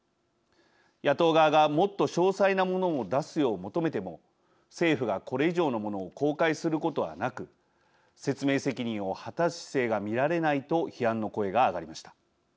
野党側がもっと詳細なものを出すよう求めても政府がこれ以上のものを公開することはなく説明責任を果たす姿勢が見られないと批判の声が上がりました。